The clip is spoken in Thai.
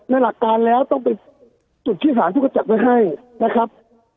หลักการแล้วต้องไปจุดที่สารทุกขจัดไว้ให้นะครับ